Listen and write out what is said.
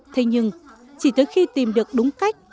thế nhưng chỉ tới khi tìm được đúng cách